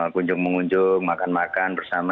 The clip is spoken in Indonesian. kunjung mengunjung makan makan bersama